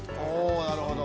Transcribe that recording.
おなるほど。